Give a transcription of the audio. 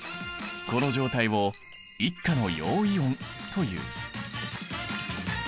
この状態を１価の陽イオンという。